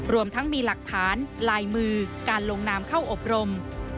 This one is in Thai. รวมทั้งมีหลักฐานลายมือการลงนามเข้าอบรม